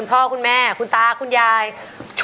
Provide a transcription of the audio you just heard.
เพลงที่๖นะครับ